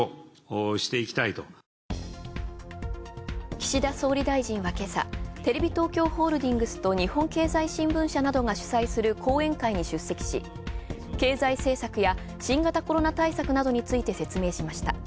岸田総理大臣はけさ、テレビ東京ホールディングスと日本経済新聞社などが主催する講演会に出席し、経済政策や新型コロナ対策などについて説明しました。